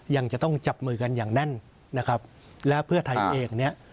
ยังจะต้องจับมือกันอย่างแน่นนะครับแล้วเพื่อไทยเองเนี่ย